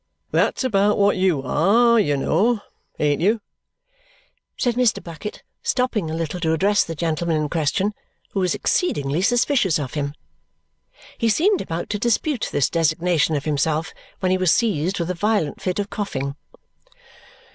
That's about what YOU are, you know, ain't you?" said Mr. Bucket, stopping a little to address the gentleman in question, who was exceedingly suspicious of him. He seemed about to dispute this designation of himself when he was seized with a violent fit of coughing.